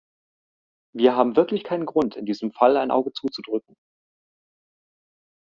Wir haben wirklich keinen Grund, in diesem Fall ein Auge zuzudrücken.